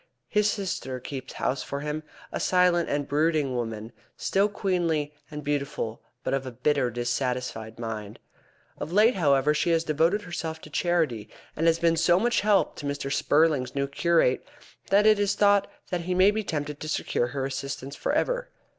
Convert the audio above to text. His sister keeps house for him, a silent and brooding woman, still queenly and beautiful, but of a bitter, dissatisfied mind. Of late, however, she has devoted herself to charity, and has been of so much help to Mr. Spurling's new curate that it is thought that he may be tempted to secure her assistance for ever.